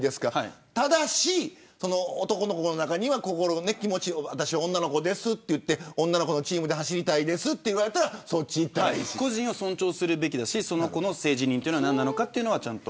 ただし、男の子の中には心が女の子ですと言って女の子のチームで走りたいと言ったら個人を尊重すべきだしその子の性自認は何なのかはちゃんと。